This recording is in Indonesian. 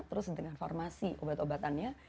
terus dengan farmasi obat obatannya